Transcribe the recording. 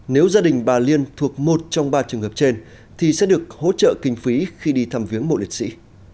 nếu gia đình bà liên thuộc một trong ba trường hợp trên thì sẽ được hỗ trợ kinh phí khi đi thăm viếng mộ liệt sĩ